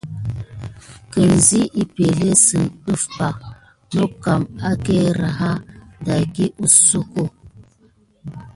Kisin epəŋle sine def ba nokan əkəra a dayi asokob.